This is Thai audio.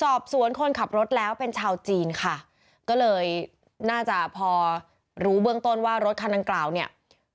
สอบสวนคนขับรถแล้วเป็นชาวจีนค่ะก็เลยน่าจะพอรู้เบื้องต้นว่ารถคันดังกล่าวเนี่ย